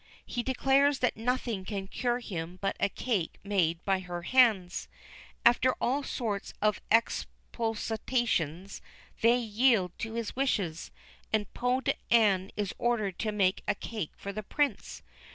He declares that nothing can cure him but a cake made by her hands. After all sorts of expostulations, they yield to his wishes, and Peau d'Ane is ordered to make a cake for the Prince.